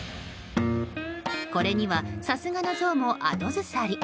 これにはさすがのゾウもあとずさり。